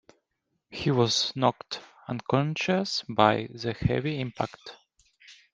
He was knocked unconscious by the heavy impact.